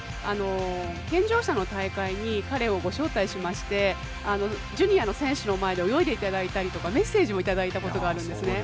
健常者の大会に彼をご招待しましてジュニアの選手の前で泳いで頂いたりとかメッセージも頂いたことがあるんですね。